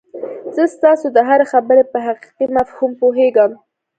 زه ستاسو د هرې خبرې په حقيقي مفهوم پوهېږم.